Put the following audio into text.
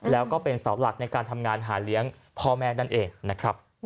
แล้วก็เป็นเสาหลักในการทำงานหาเลี้ยงพ่อแม่นั่นเองนะครับ